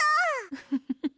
ウフフフフ。